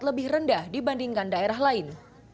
lebih rendah dibandingkan daerah lain